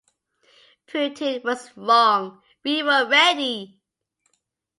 Putin was wrong. We were ready.